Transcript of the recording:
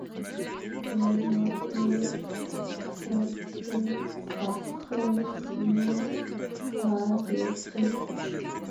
Leur noble sacrifice n’a pas de prix.